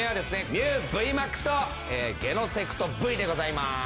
ミュウＶＭＡＸとゲノセクトＶでございます。